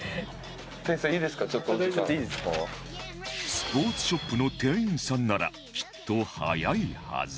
スポーツショップの店員さんならきっと速いはず